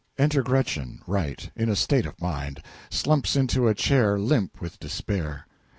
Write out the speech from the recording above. Enter GRETCHEN, R., in a state of mind. Slumps into a chair limp with despair.